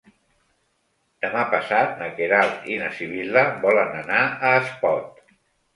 Demà passat na Queralt i na Sibil·la volen anar a Espot.